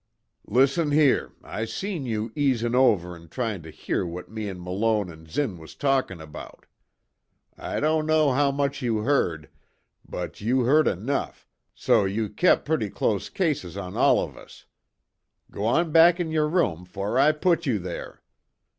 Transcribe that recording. "Listen here, I seen you easin' over and tryin' to hear what me an' Malone, an' Zinn was talkin' about. I don't know how much you heard, but you heard enough, so you kep' pretty clost cases on all of us. G'wan back in yer room, 'fore I put you there!